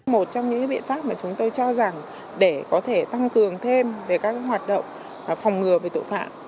một trong những biện pháp mà chúng tôi cho rằng để có thể tăng cường thêm về các hoạt động phòng ngừa về tội phạm